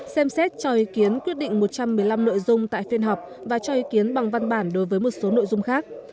xem xét cho ý kiến quyết định một trăm một mươi năm nội dung tại phiên họp và cho ý kiến bằng văn bản đối với một số nội dung khác